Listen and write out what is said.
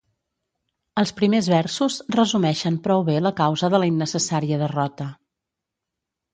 Els primers versos resumeixen prou bé la causa de la innecessària derrota.